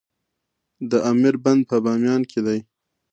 د امیر بند په بامیان کې دی